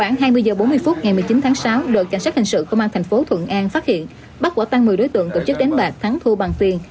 khoảng hai mươi h bốn mươi phút ngày một mươi chín tháng sáu đội cảnh sát hình sự công an thành phố thuận an phát hiện bắt quả tăng một mươi đối tượng tổ chức đánh bạc thắng thu bằng phiền